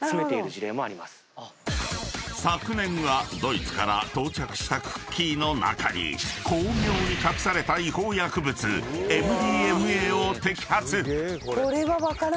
［昨年はドイツから到着したクッキーの中に巧妙に隠された違法薬物ＭＤＭＡを摘発］